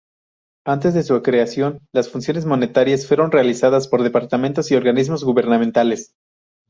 Antes de su creación, las funciones monetarias fueron realizadas por departamentos y organismos gubernamentales.